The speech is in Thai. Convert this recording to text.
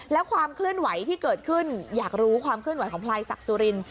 แล้วความเคลื่อนไหวที่เกิดขึ้นอยากรู้ความเคลื่อนไหวของพลายศักดิ์สุริน